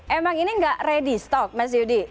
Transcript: emang ini gak ready stock mas yudi